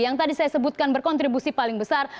yang tadi saya sebutkan berkontribusi paling besar